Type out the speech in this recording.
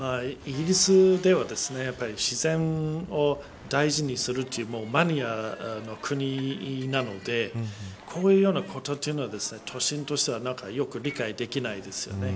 イギリスでは自然を大事にするというマニアの国なのでこういうようなことというのは都心としてはよく理解できないですよね。